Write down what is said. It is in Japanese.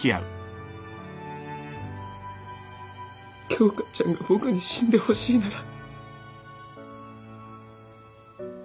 京花ちゃんが僕に死んでほしいなら。